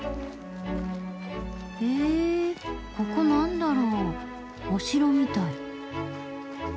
へぇここ何だろう？お城みたい。